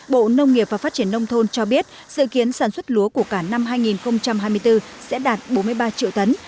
bộ nông nghiệp và phát triển nông thôn cho biết sự kiến sản xuất lúa của cả năm hai nghìn hai mươi bốn sẽ đạt bốn mươi ba triệu tấn